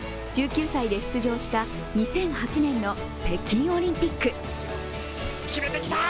１９歳で出場した２００８年の北京オリンピック。